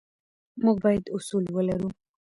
موږ باید اصول ولرو.